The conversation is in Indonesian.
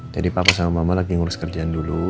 jadi papa sama mama lagi ngurus kerjaan dulu